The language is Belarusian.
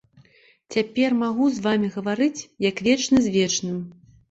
Цяпер магу з вамі гаварыць, як вечны з вечным.